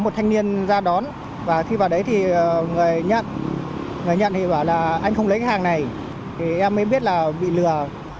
thì em mới biết là bị lừa